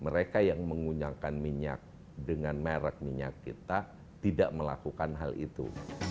mereka yang menggunakan minyak dengan merek minyak kita tidak melakukan hal itu